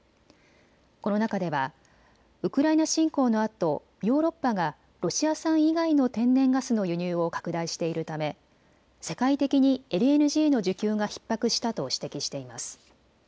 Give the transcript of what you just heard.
この中ではウクライナ侵攻のあとヨーロッパがロシア産以外の天然ガスの輸入を拡大しているため世界的にＬＮＧの需給がひっ迫したと指摘しています。